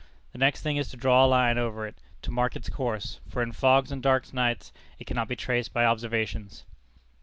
The next thing is to draw a line over it, to mark its course, for in fogs and dark nights it cannot be traced by observations.